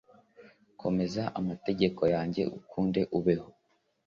Komeza amategeko yanjye ukunde ubeho